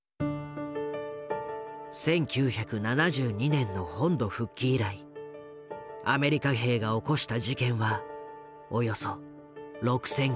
１９７２年の本土復帰以来アメリカ兵が起こした事件はおよそ６０００件。